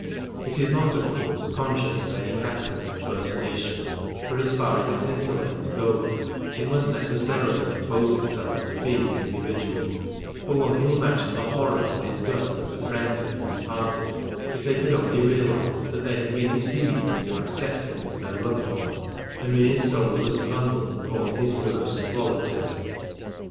It is not, of course, conscious of any act of impersonation, for as far as its intellect goes it must necessarily suppose itself to be the individual, but one can imagine the horror and disgust of the friends of the departed, if they could only realize that they had been deceived into accepting as their loved one a mere soulless bundle of all his worst qualities.